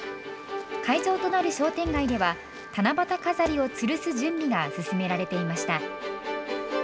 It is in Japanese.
会場となる商店街では七夕飾りをつるす準備が進められていました。